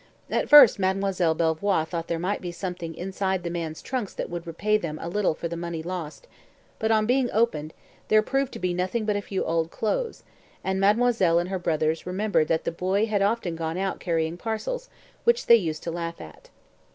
At first Mademoiselle Belvoir thought there might be something inside the man's trunks that would repay them a little for the money lost; but, on being opened, there proved to be nothing but a few old clothes, and Mademoiselle and her brothers remembered that the boy had often gone out carrying parcels, which they used to laugh at.